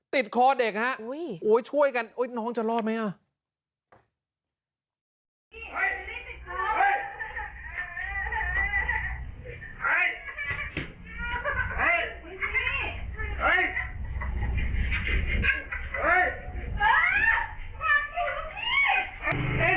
ติดคอดเด็กฮะอุ้ยโอ้ยช่วยกันอุ้ยน้องจะรอดไหมอ่ะ